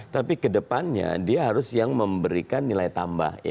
tapi ke depannya dia harus yang memberikan nilai tambah